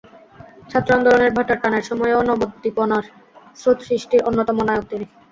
ছাত্র আন্দোলনের ভাটার টানের সময়েও নবোদ্দীপনার স্রোত সৃষ্টির অন্যতম নায়ক তিনি।